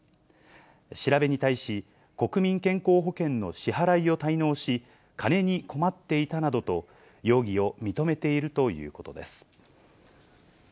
調べに対し、国民健康保険の支払いを滞納し、金に困っていたなどと、容疑を認めているということです。